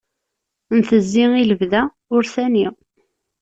Ntezzi i lebda, ur sani.